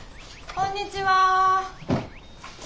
こんにちは。